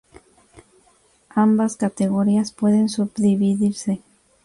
Ambas categorías pueden subdividirse.